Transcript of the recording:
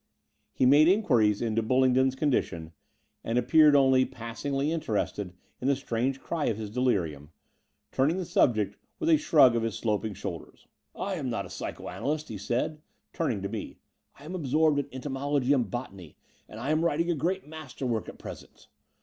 He made his inquiries into Bullingdon's condi tion, and appeared only passingly interested in the strange cry of his delirium, turning the subject with a shrug of his sloping shoulders. I am not a psycho analyst," he said, turning to me. I am absorbed in entomology and botany, and am writing a great master work at present.